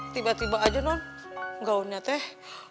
tiba tiba aja non gaunnya teh